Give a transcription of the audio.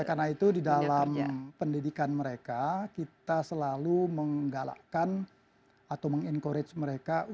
oleh karena itu di dalam pendidikan mereka kita selalu menggalakkan atau mengencourage mereka untuk berusaha untuk berusaha untuk berusaha